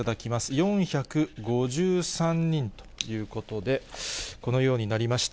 ４５３人ということで、このようになりました。